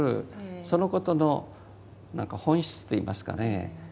そのことの何か本質っていいますかね